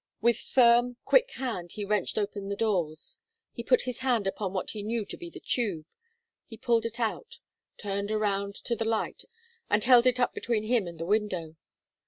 With firm, quick hand he wrenched open the doors. He put his hand upon what he knew to be the tube. He pulled it out, turned around to the light and held it up between him and the window.